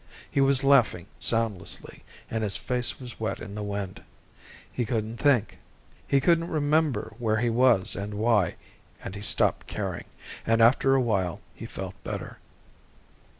He was laughing soundlessly, and his face was wet in the wind. He couldn't think. He couldn't remember where he was and why, and he stopped caring, and after a while he felt better.